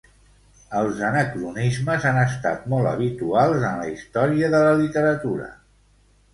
Els anacronismes han estat molt habituals en la història de la literatura.